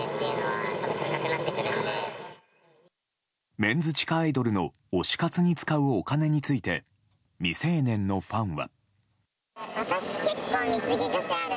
メンズ地下アイドルの推し活に使うお金について未成年のファンは。